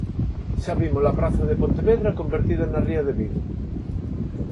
Xa vimos a praza de Pontevedra convertida na ría de Vigo.